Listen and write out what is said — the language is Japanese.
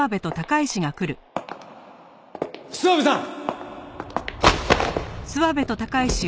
諏訪部さん！